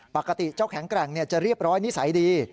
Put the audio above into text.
ปกติเจ้าแข็งแกร่งจะเรียบร้อยนิสัยดี